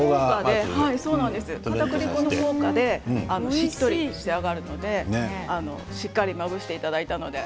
かたくり粉の効果でしっとり仕上がるのでしっかりまぶしていただいたので。